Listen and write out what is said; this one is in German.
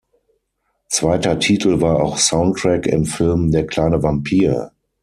Zweiter Titel war auch Soundtrack im Film "Der kleine Vampir".